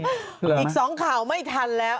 อีกสองข่าวไม่ทันแล้ว